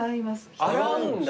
洗うんだ。